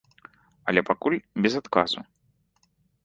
Але пакуль без адказу.